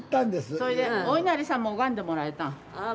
それでおいなりさんも拝んでもらえた。